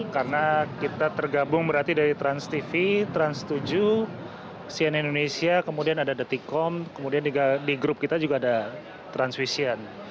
karena kita tergabung berarti dari transtv trans tujuh cnn indonesia kemudian ada deticom kemudian di grup kita juga ada transwisian